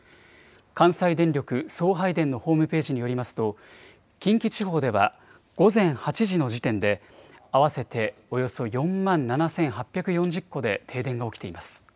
関西電力送配電のホームページによりますと、近畿地方では午前８時の時点で、合わせておよそ４万７８４０戸で停電が起きています。